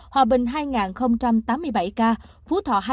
hòa bình hai tám mươi bảy ca phú thọ hai một mươi năm ca